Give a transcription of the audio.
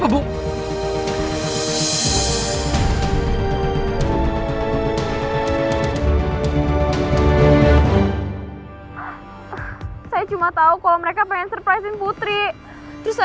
bu kenapa bu